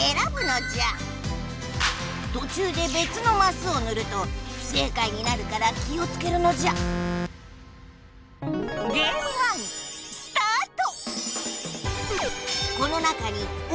途中でべつのマスをぬると不正解になるから気をつけるのじゃスタート！